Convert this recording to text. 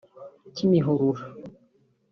Kimihurura